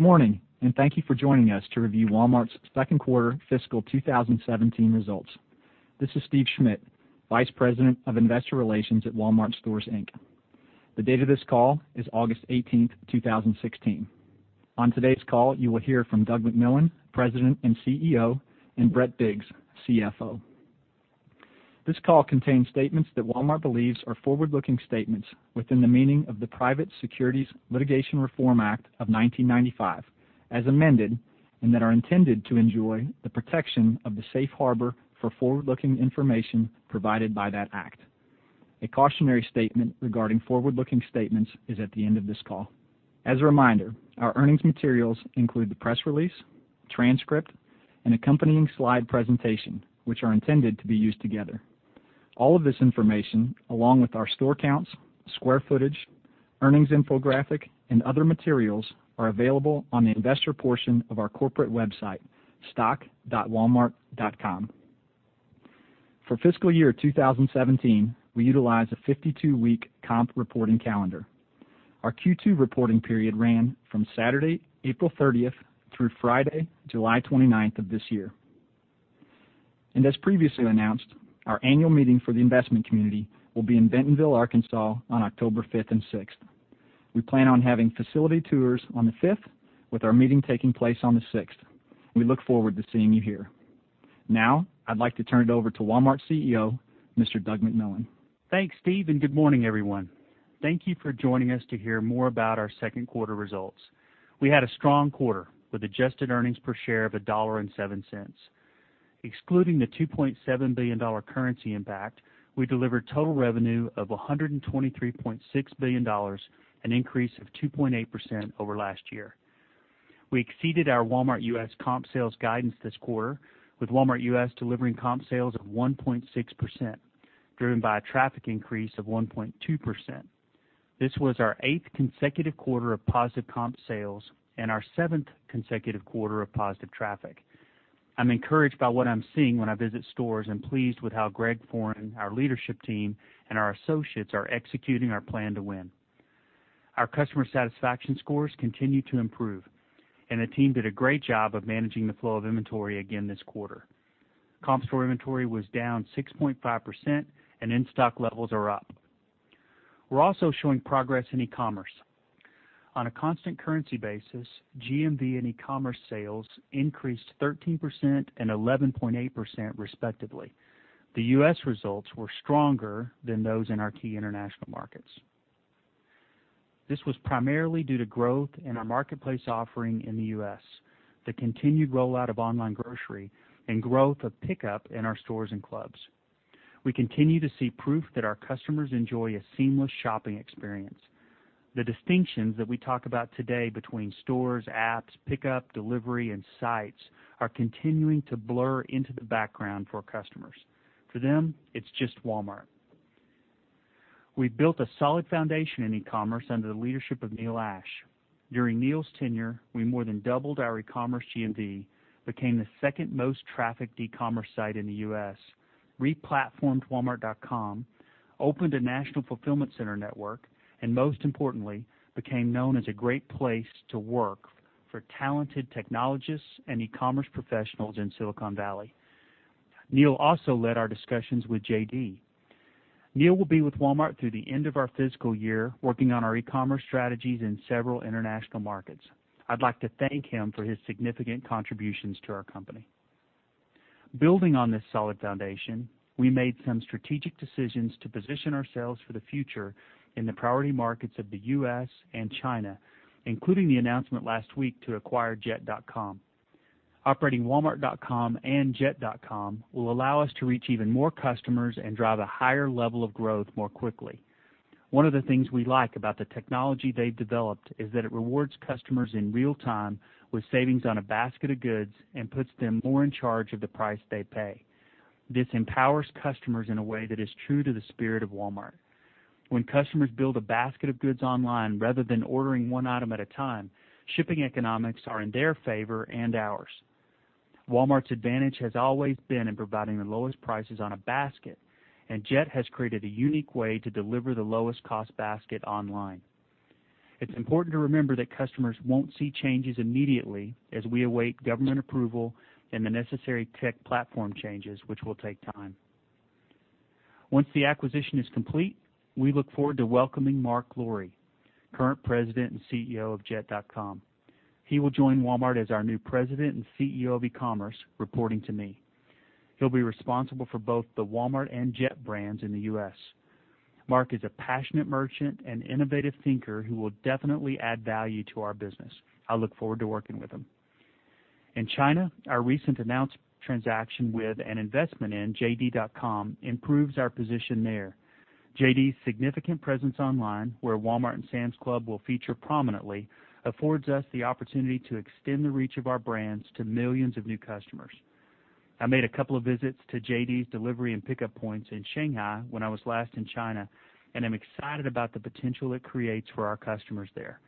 Morning. Thank you for joining us to review Walmart's second quarter fiscal 2017 results. This is Steve Schmitt, Vice President of Investor Relations at Walmart Stores, Inc. The date of this call is August 18, 2016. On today's call, you will hear from Doug McMillon, President and CEO, and Brett Biggs, CFO. This call contains statements that Walmart believes are forward-looking statements within the meaning of the Private Securities Litigation Reform Act of 1995, as amended, and that are intended to enjoy the protection of the safe harbor for forward-looking information provided by that act. A cautionary statement regarding forward-looking statements is at the end of this call. As a reminder, our earnings materials include the press release, transcript, and accompanying slide presentation, which are intended to be used together. All of this information, along with our store counts, square footage, earnings infographic, and other materials, are available on the investor portion of our corporate website, stock.walmart.com. For fiscal year 2017, we utilize a 52-week comp reporting calendar. Our Q2 reporting period ran from Saturday, April 30 through Friday, July 29 of this year. As previously announced, our annual meeting for the investment community will be in Bentonville, Arkansas on October 5 and 6. We plan on having facility tours on the 5, with our meeting taking place on the 6. We look forward to seeing you here. Now, I'd like to turn it over to Walmart's CEO, Mr. Doug McMillon. Thanks, Steve. Good morning, everyone. Thank you for joining us to hear more about our second quarter results. We had a strong quarter with adjusted earnings per share of $1.07. Excluding the $2.7 billion currency impact, we delivered total revenue of $123.6 billion, an increase of 2.8% over last year. We exceeded our Walmart US comp sales guidance this quarter, with Walmart US delivering comp sales of 1.6%, driven by a traffic increase of 1.2%. This was our eighth consecutive quarter of positive comp sales and our seventh consecutive quarter of positive traffic. I'm encouraged by what I'm seeing when I visit stores and pleased with how Greg Foran, our leadership team, and our associates are executing our plan to win. Our customer satisfaction scores continue to improve. The team did a great job of managing the flow of inventory again this quarter. Comp store inventory was down 6.5%. In-stock levels are up. We're also showing progress in e-commerce. On a constant currency basis, GMV and e-commerce sales increased 13% and 11.8% respectively. The U.S. results were stronger than those in our key international markets. This was primarily due to growth in our marketplace offering in the U.S., the continued rollout of online grocery, and growth of pickup in our stores and clubs. We continue to see proof that our customers enjoy a seamless shopping experience. The distinctions that we talk about today between stores, apps, pickup, delivery, and sites are continuing to blur into the background for customers. For them, it's just Walmart. We've built a solid foundation in e-commerce under the leadership of Neil Ashe. During Neil's tenure, we more than doubled our e-commerce GMV, became the second most trafficked e-commerce site in the U.S., re-platformed walmart.com, opened a national fulfillment center network, and most importantly, became known as a great place to work for talented technologists and e-commerce professionals in Silicon Valley. Neil also led our discussions with JD. Neil will be with Walmart through the end of our fiscal year, working on our e-commerce strategies in several international markets. I'd like to thank him for his significant contributions to our company. Building on this solid foundation, we made some strategic decisions to position ourselves for the future in the priority markets of the U.S. and China, including the announcement last week to acquire jet.com. Operating walmart.com and jet.com will allow us to reach even more customers and drive a higher level of growth more quickly. One of the things we like about the technology they've developed is that it rewards customers in real time with savings on a basket of goods and puts them more in charge of the price they pay. This empowers customers in a way that is true to the spirit of Walmart. When customers build a basket of goods online rather than ordering one item at a time, shipping economics are in their favor and ours. Walmart's advantage has always been in providing the lowest prices on a basket, and Jet has created a unique way to deliver the lowest cost basket online. It's important to remember that customers won't see changes immediately as we await government approval and the necessary tech platform changes, which will take time. Once the acquisition is complete, we look forward to welcoming Marc Lore, current president and CEO of jet.com. He will join Walmart as our new President and CEO of e-commerce, reporting to me. He'll be responsible for both the Walmart and Jet brands in the U.S. Marc is a passionate merchant and innovative thinker who will definitely add value to our business. I look forward to working with him. In China, our recent announced transaction with an investment in JD.com improves our position there. JD's significant presence online, where Walmart and Sam's Club will feature prominently, affords us the opportunity to extend the reach of our brands to millions of new customers. I made a couple of visits to JD's delivery and pickup points in Shanghai when I was last in China, and I'm excited about the potential it creates for our customers there.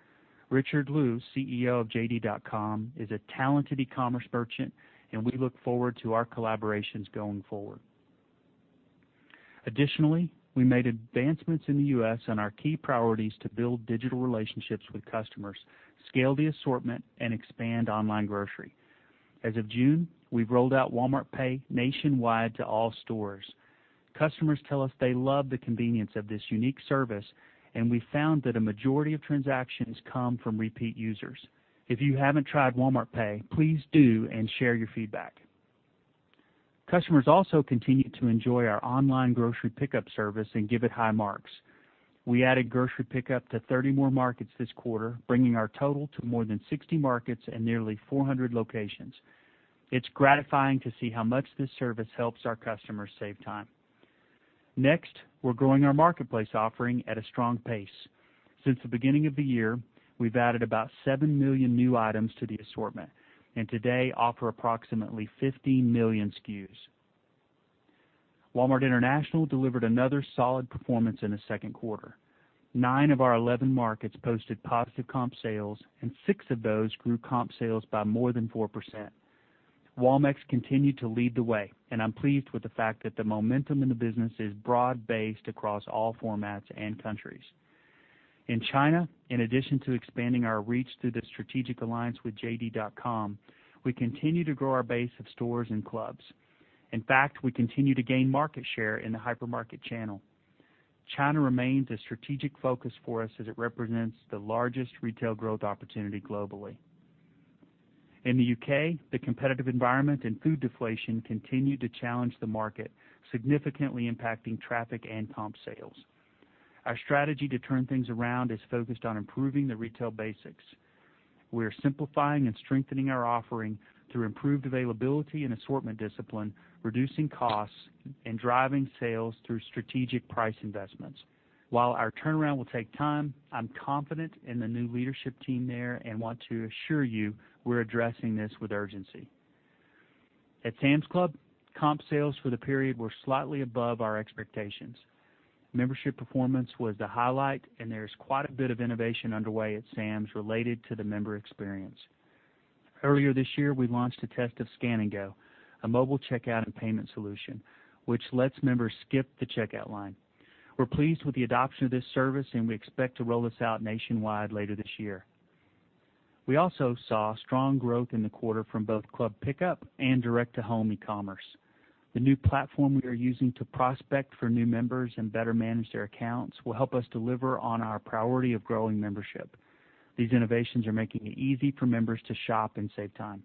Richard Liu, CEO of JD.com, is a talented e-commerce merchant, and we look forward to our collaborations going forward. Additionally, we made advancements in the U.S. on our key priorities to build digital relationships with customers, scale the assortment, and expand online grocery. As of June, we've rolled out Walmart Pay nationwide to all stores. Customers tell us they love the convenience of this unique service, and we found that a majority of transactions come from repeat users. If you haven't tried Walmart Pay, please do and share your feedback. Customers also continue to enjoy our online grocery pickup service and give it high marks. We added grocery pickup to 30 more markets this quarter, bringing our total to more than 60 markets and nearly 400 locations. It's gratifying to see how much this service helps our customers save time. Next, we're growing our marketplace offering at a strong pace. Since the beginning of the year, we've added about seven million new items to the assortment, and today offer approximately 15 million SKUs. Walmart International delivered another solid performance in the second quarter. Nine of our 11 markets posted positive comp sales, and six of those grew comp sales by more than 4%. Walmex continued to lead the way, and I'm pleased with the fact that the momentum in the business is broad-based across all formats and countries. In China, in addition to expanding our reach through the strategic alliance with JD.com, we continue to grow our base of stores and clubs. In fact, we continue to gain market share in the hypermarket channel. China remains a strategic focus for us as it represents the largest retail growth opportunity globally. In the U.K., the competitive environment and food deflation continue to challenge the market, significantly impacting traffic and comp sales. Our strategy to turn things around is focused on improving the retail basics. We are simplifying and strengthening our offering through improved availability and assortment discipline, reducing costs, and driving sales through strategic price investments. While our turnaround will take time, I'm confident in the new leadership team there and want to assure you we're addressing this with urgency. At Sam's Club, comp sales for the period were slightly above our expectations. Membership performance was the highlight, and there's quite a bit of innovation underway at Sam's related to the member experience. Earlier this year, we launched a test of Scan & Go, a mobile checkout and payment solution, which lets members skip the checkout line. We're pleased with the adoption of this service, and we expect to roll this out nationwide later this year. We also saw strong growth in the quarter from both club pickup and direct-to-home e-commerce. The new platform we are using to prospect for new members and better manage their accounts will help us deliver on our priority of growing membership. These innovations are making it easy for members to shop and save time.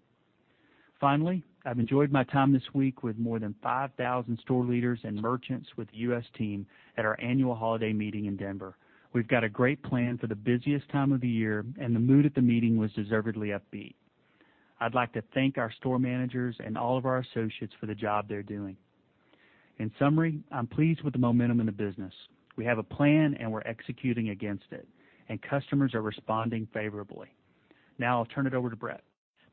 Finally, I've enjoyed my time this week with more than 5,000 store leaders and merchants with the U.S. team at our annual holiday meeting in Denver. We've got a great plan for the busiest time of the year, and the mood at the meeting was deservedly upbeat. I'd like to thank our store managers and all of our associates for the job they're doing. In summary, I'm pleased with the momentum in the business. We have a plan, and we're executing against it, and customers are responding favorably. Now, I'll turn it over to Brett.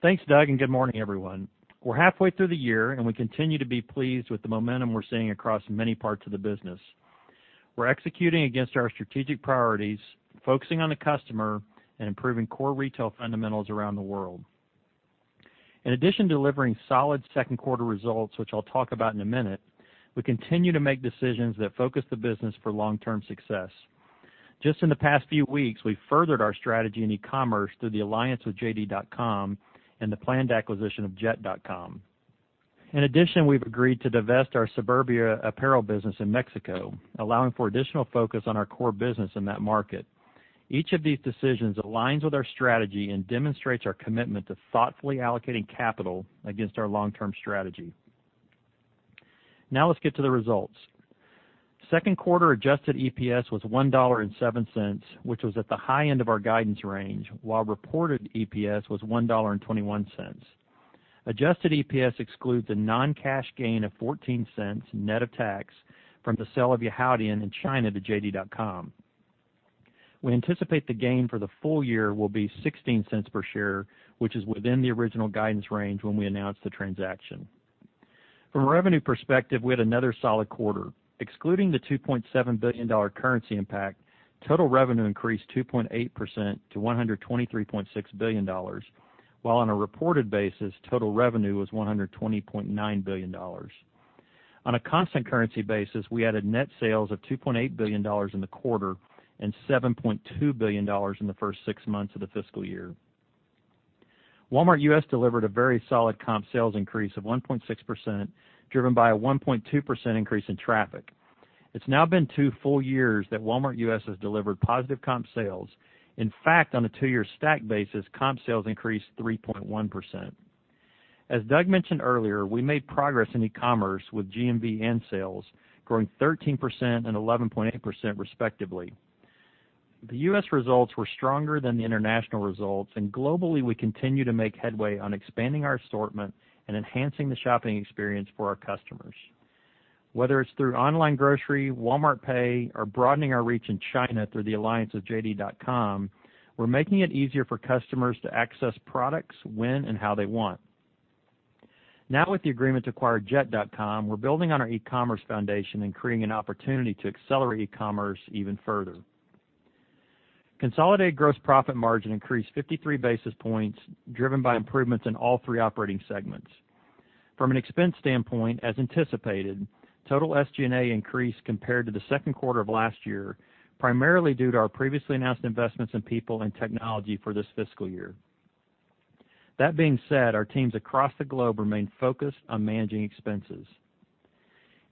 Thanks, Doug, and good morning, everyone. We're halfway through the year, and we continue to be pleased with the momentum we're seeing across many parts of the business. We're executing against our strategic priorities, focusing on the customer, and improving core retail fundamentals around the world. In addition to delivering solid second-quarter results, which I'll talk about in a minute, we continue to make decisions that focus the business for long-term success. Just in the past few weeks, we've furthered our strategy in e-commerce through the alliance with JD.com and the planned acquisition of Jet.com. In addition, we've agreed to divest our Suburbia apparel business in Mexico, allowing for additional focus on our core business in that market. Each of these decisions aligns with our strategy and demonstrates our commitment to thoughtfully allocating capital against our long-term strategy. Now let's get to the results. Second quarter adjusted EPS was $1.07, which was at the high end of our guidance range, while reported EPS was $1.21. Adjusted EPS excludes a non-cash gain of $0.14 net of tax from the sale of Yihaodian in China to JD.com. We anticipate the gain for the full year will be $0.16 per share, which is within the original guidance range when we announced the transaction. From a revenue perspective, we had another solid quarter. Excluding the $2.7 billion currency impact, total revenue increased 2.8% to $123.6 billion, while on a reported basis, total revenue was $120.9 billion. On a constant currency basis, we added net sales of $2.8 billion in the quarter and $7.2 billion in the first six months of the fiscal year. Walmart US delivered a very solid comp sales increase of 1.6%, driven by a 1.2% increase in traffic. It's now been two full years that Walmart US has delivered positive comp sales. In fact, on a two-year stack basis, comp sales increased 3.1%. As Doug mentioned earlier, we made progress in e-commerce with GMV and sales, growing 13% and 11.8% respectively. The U.S. results were stronger than the international results, and globally, we continue to make headway on expanding our assortment and enhancing the shopping experience for our customers. Whether it's through online grocery, Walmart Pay, or broadening our reach in China through the alliance with JD.com, we're making it easier for customers to access products when and how they want. With the agreement to acquire Jet.com, we're building on our e-commerce foundation and creating an opportunity to accelerate e-commerce even further. Consolidated gross profit margin increased 53 basis points, driven by improvements in all three operating segments. From an expense standpoint, as anticipated, total SG&A increased compared to the second quarter of last year, primarily due to our previously announced investments in people and technology for this fiscal year. That being said, our teams across the globe remain focused on managing expenses.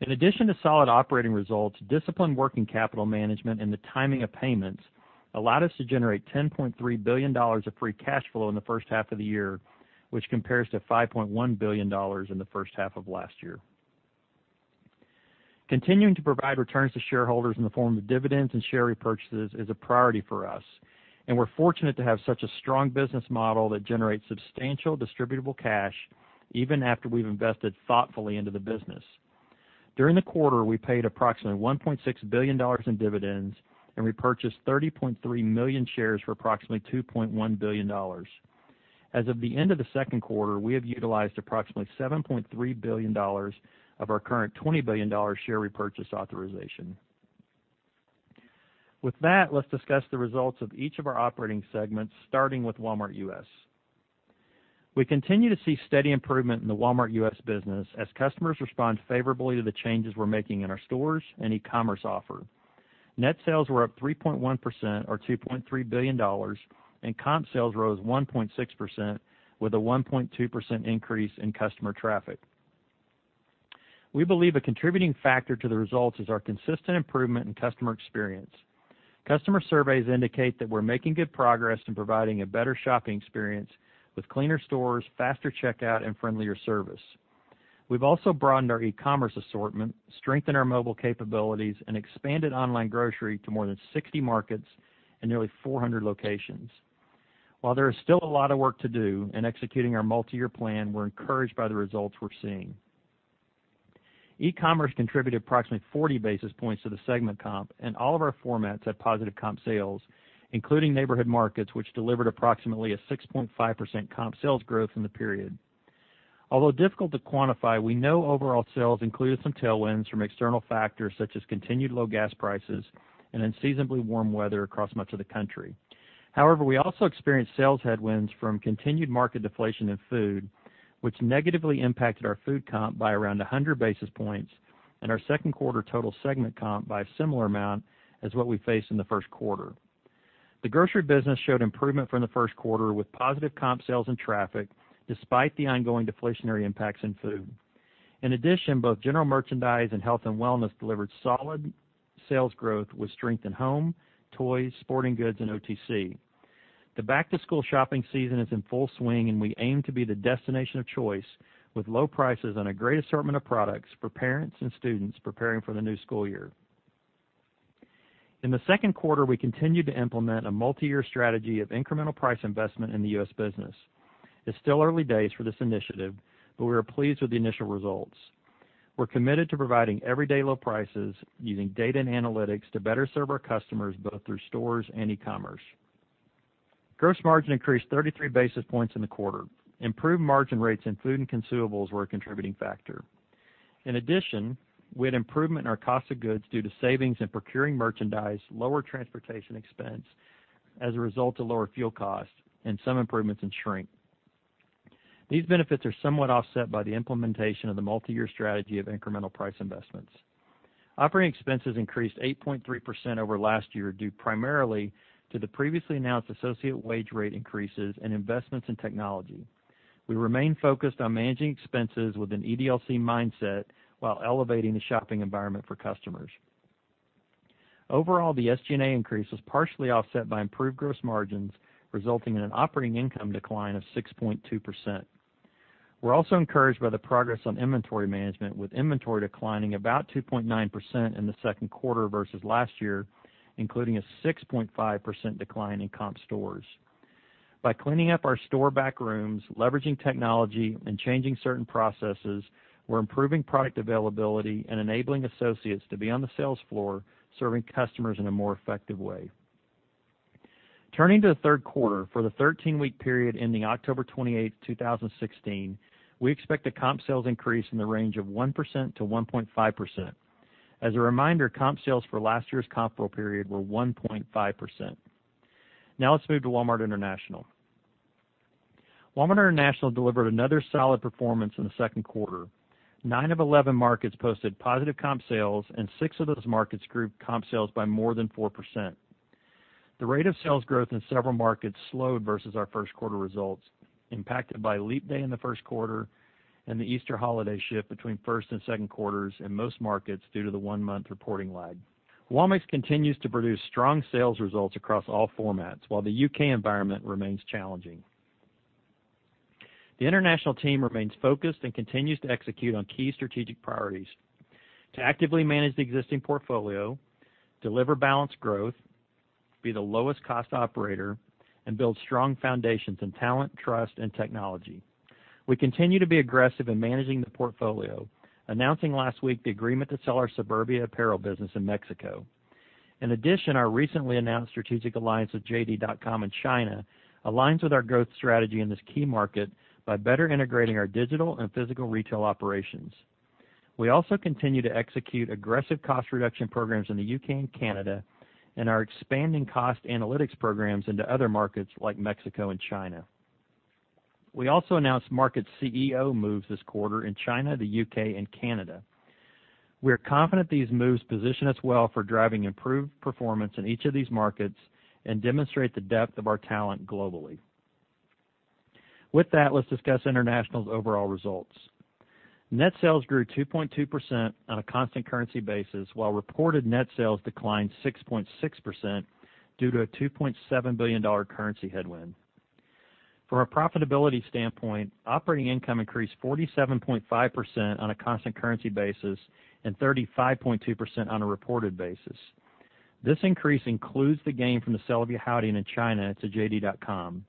In addition to solid operating results, disciplined working capital management and the timing of payments allowed us to generate $10.3 billion of free cash flow in the first half of the year, which compares to $5.1 billion in the first half of last year. Continuing to provide returns to shareholders in the form of dividends and share repurchases is a priority for us, and we're fortunate to have such a strong business model that generates substantial distributable cash even after we've invested thoughtfully into the business. During the quarter, we paid approximately $1.6 billion in dividends and repurchased 30.3 million shares for approximately $2.1 billion. As of the end of the second quarter, we have utilized approximately $7.3 billion of our current $20 billion share repurchase authorization. With that, let's discuss the results of each of our operating segments, starting with Walmart US. We continue to see steady improvement in the Walmart US business as customers respond favorably to the changes we're making in our stores and e-commerce offer. Net sales were up 3.1%, or $2.3 billion, and comp sales rose 1.6% with a 1.2% increase in customer traffic. We believe a contributing factor to the results is our consistent improvement in customer experience. Customer surveys indicate that we're making good progress in providing a better shopping experience with cleaner stores, faster checkout, and friendlier service. We've also broadened our e-commerce assortment, strengthened our mobile capabilities, and expanded online grocery to more than 60 markets and nearly 400 locations. While there is still a lot of work to do in executing our multi-year plan, we're encouraged by the results we're seeing. E-commerce contributed approximately 40 basis points to the segment comp and all of our formats had positive comp sales, including Neighborhood Markets, which delivered approximately a 6.5% comp sales growth in the period. Although difficult to quantify, we know overall sales included some tailwinds from external factors such as continued low gas prices and unseasonably warm weather across much of the country. However, we also experienced sales headwinds from continued market deflation in food, which negatively impacted our food comp by around 100 basis points and our second quarter total segment comp by a similar amount as what we faced in the first quarter. The grocery business showed improvement from the first quarter with positive comp sales and traffic, despite the ongoing deflationary impacts in food. In addition, both General Merchandise and Health and Wellness delivered solid sales growth with strength in home, toys, sporting goods, and OTC. The back-to-school shopping season is in full swing, and we aim to be the destination of choice with low prices and a great assortment of products for parents and students preparing for the new school year. In the second quarter, we continued to implement a multi-year strategy of incremental price investment in the U.S. business. It's still early days for this initiative, but we are pleased with the initial results. We're committed to providing Everyday Low Prices using data and analytics to better serve our customers, both through stores and e-commerce. Gross margin increased 33 basis points in the quarter. Improved margin rates in food and consumables were a contributing factor. In addition, we had improvement in our cost of goods due to savings in procuring merchandise, lower transportation expense as a result of lower fuel costs, and some improvements in shrink. These benefits are somewhat offset by the implementation of the multi-year strategy of incremental price investments. Operating expenses increased 8.3% over last year, due primarily to the previously announced associate wage rate increases and investments in technology. We remain focused on managing expenses with an EDLC mindset while elevating the shopping environment for customers. Overall, the SG&A increase was partially offset by improved gross margins, resulting in an operating income decline of 6.2%. We're also encouraged by the progress on inventory management, with inventory declining about 2.9% in the second quarter versus last year, including a 6.5% decline in comp stores. By cleaning up our store back rooms, leveraging technology, and changing certain processes, we're improving product availability and enabling associates to be on the sales floor, serving customers in a more effective way. Turning to the third quarter, for the 13-week period ending October 28th, 2016, we expect a comp sales increase in the range of 1%-1.5%. As a reminder, comp sales for last year's comparable period were 1.5%. Now let's move to Walmart International. Walmart International delivered another solid performance in the second quarter. Nine of 11 markets posted positive comp sales, and six of those markets grew comp sales by more than 4%. The rate of sales growth in several markets slowed versus our first quarter results, impacted by Leap Day in the first quarter and the Easter holiday shift between first and second quarters in most markets due to the one-month reporting lag. Walmex continues to produce strong sales results across all formats, while the U.K. environment remains challenging. The international team remains focused and continues to execute on key strategic priorities: to actively manage the existing portfolio, deliver balanced growth, be the lowest cost operator, and build strong foundations in talent, trust, and technology. We continue to be aggressive in managing the portfolio, announcing last week the agreement to sell our Suburbia apparel business in Mexico. In addition, our recently announced strategic alliance with JD.com in China aligns with our growth strategy in this key market by better integrating our digital and physical retail operations. We also continue to execute aggressive cost reduction programs in the U.K. and Canada and are expanding cost analytics programs into other markets like Mexico and China. We also announced market CEO moves this quarter in China, the U.K. and Canada. We're confident these moves position us well for driving improved performance in each of these markets and demonstrate the depth of our talent globally. With that, let's discuss international's overall results. Net sales grew 2.2% on a constant currency basis, while reported net sales declined 6.6% due to a $2.7 billion currency headwind. From a profitability standpoint, operating income increased 47.5% on a constant currency basis and 35.2% on a reported basis. This increase includes the gain from the sale of Yihaodian in China to JD.com.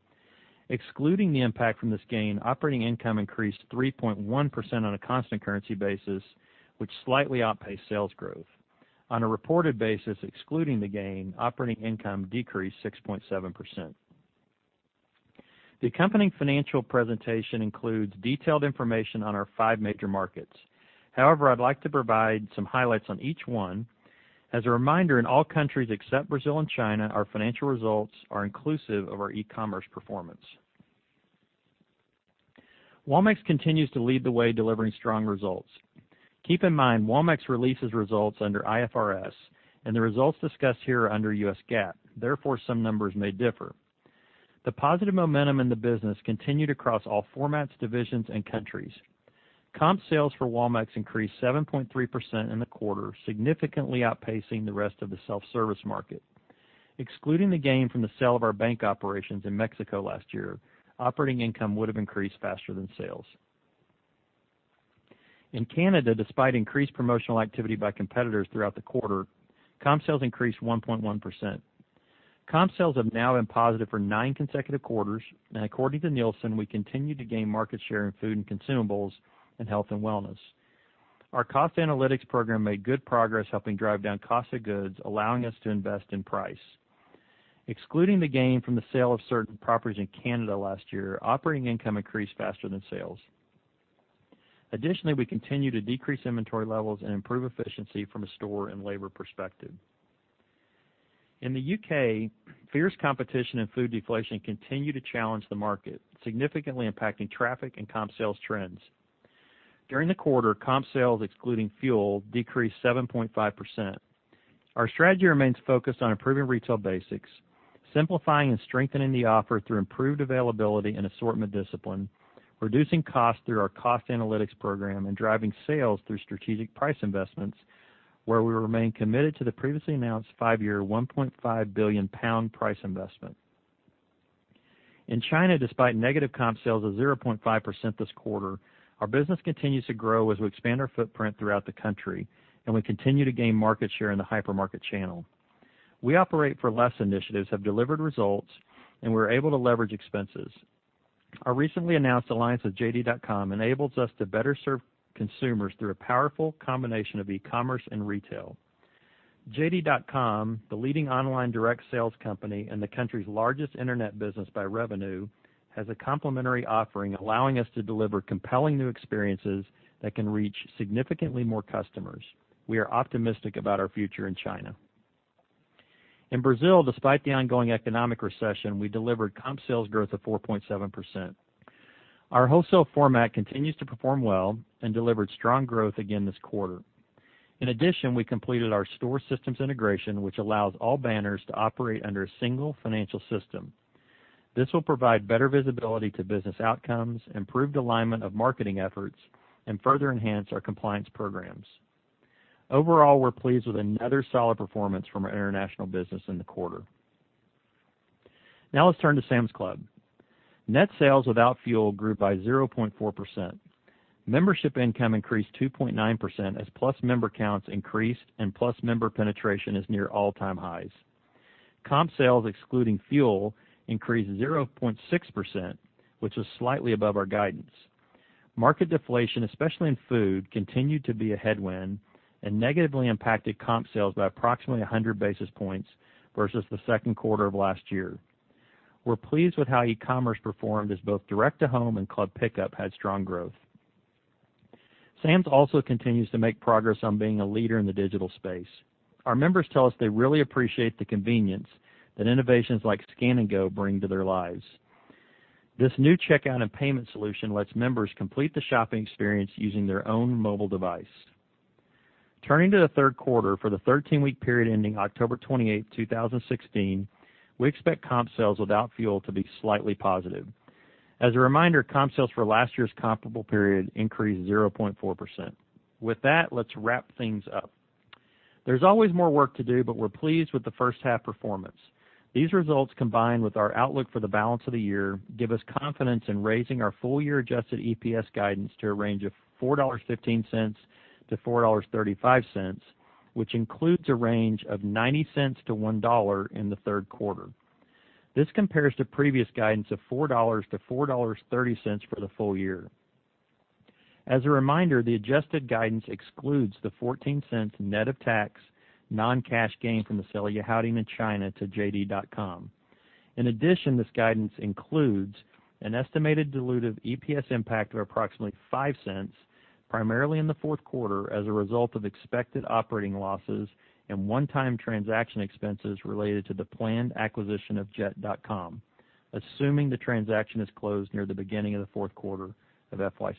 Excluding the impact from this gain, operating income increased 3.1% on a constant currency basis, which slightly outpaced sales growth. On a reported basis excluding the gain, operating income decreased 6.7%. The accompanying financial presentation includes detailed information on our five major markets. However, I'd like to provide some highlights on each one. As a reminder, in all countries except Brazil and China, our financial results are inclusive of our e-commerce performance. Walmex continues to lead the way delivering strong results. Keep in mind, Walmex releases results under IFRS and the results discussed here are under US GAAP, therefore, some numbers may differ. The positive momentum in the business continued across all formats, divisions, and countries. Comp sales for Walmex increased 7.3% in the quarter, significantly outpacing the rest of the self-service market. Excluding the gain from the sale of our bank operations in Mexico last year, operating income would have increased faster than sales. In Canada, despite increased promotional activity by competitors throughout the quarter, comp sales increased 1.1%. Comp sales have now been positive for nine consecutive quarters, and according to Nielsen, we continue to gain market share in food and consumables and health and wellness. Our cost analytics program made good progress helping drive down cost of goods, allowing us to invest in price. Excluding the gain from the sale of certain properties in Canada last year, operating income increased faster than sales. Additionally, we continue to decrease inventory levels and improve efficiency from a store and labor perspective. In the U.K., fierce competition and food deflation continue to challenge the market, significantly impacting traffic and comp sales trends. During the quarter, comp sales excluding fuel decreased 7.5%. Our strategy remains focused on improving retail basics, simplifying and strengthening the offer through improved availability and assortment discipline, reducing costs through our cost analytics program, and driving sales through strategic price investments, where we remain committed to the previously announced five-year 1.5 billion pound price investment. In China, despite negative comp sales of 0.5% this quarter, our business continues to grow as we expand our footprint throughout the country, and we continue to gain market share in the hypermarket channel. Our Operate for Less initiatives have delivered results, and we're able to leverage expenses. Our recently announced alliance with JD.com enables us to better serve consumers through a powerful combination of e-commerce and retail. JD.com, the leading online direct sales company and the country's largest internet business by revenue, has a complementary offering allowing us to deliver compelling new experiences that can reach significantly more customers. We are optimistic about our future in China. In Brazil, despite the ongoing economic recession, we delivered comp sales growth of 4.7%. Our wholesale format continues to perform well and delivered strong growth again this quarter. In addition, we completed our store systems integration, which allows all banners to operate under a single financial system. This will provide better visibility to business outcomes, improved alignment of marketing efforts, and further enhance our compliance programs. Overall, we're pleased with another solid performance from our international business in the quarter. Now let's turn to Sam's Club. Net sales without fuel grew by 0.4%. Membership income increased 2.9% as plus member counts increased and plus member penetration is near all-time highs. Comp sales excluding fuel increased 0.6%, which was slightly above our guidance. Market deflation, especially in food, continued to be a headwind and negatively impacted comp sales by approximately 100 basis points versus the second quarter of last year. We're pleased with how e-commerce performed as both direct to home and club pickup had strong growth. Sam's also continues to make progress on being a leader in the digital space. Our members tell us they really appreciate the convenience that innovations like Scan & Go bring to their lives. This new checkout and payment solution lets members complete the shopping experience using their own mobile device. Turning to the third quarter for the 13-week period ending October 28, 2016, we expect comp sales without fuel to be slightly positive. As a reminder, comp sales for last year's comparable period increased 0.4%. With that, let's wrap things up. There's always more work to do, but we're pleased with the first half performance. These results, combined with our outlook for the balance of the year, give us confidence in raising our full year adjusted EPS guidance to a range of $4.15-$4.35, which includes a range of $0.90-$1.00 in the third quarter. This compares to previous guidance of $4.00-$4.30 for the full year. As a reminder, the adjusted guidance excludes the $0.14 net of tax non-cash gain from the sale of Yihaodian in China to JD.com. This guidance includes an estimated dilutive EPS impact of approximately $0.05, primarily in the fourth quarter, as a result of expected operating losses and one-time transaction expenses related to the planned acquisition of Jet.com, assuming the transaction is closed near the beginning of the fourth quarter of FY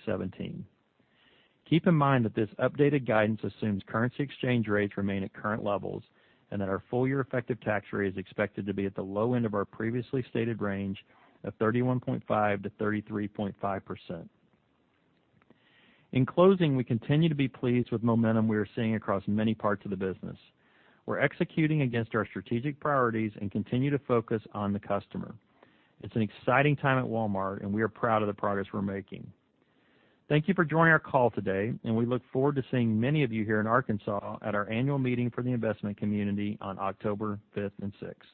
2017. This updated guidance assumes currency exchange rates remain at current levels, and that our full year effective tax rate is expected to be at the low end of our previously stated range of 31.5%-33.5%. We continue to be pleased with momentum we are seeing across many parts of the business. We're executing against our strategic priorities and continue to focus on the customer. It's an exciting time at Walmart and we are proud of the progress we're making. Thank you for joining our call today, and we look forward to seeing many of you here in Arkansas at our annual meeting for the investment community on October fifth and sixth.